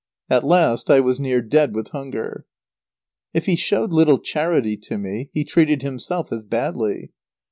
At last I was near dead with hunger. If he showed little charity to me, he treated himself as badly.